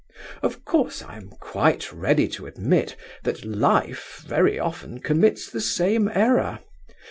Of course, I am quite ready to admit that Life very often commits the same error.